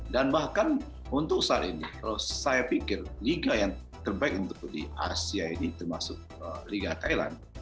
dan bahkan untuk saat ini kalau saya pikir liga yang terbaik untuk di asia ini termasuk liga thailand